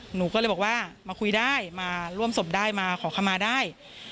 หนูก็เลยบอกว่ามาคุยได้มาร่วมศพได้มาขอคำมาได้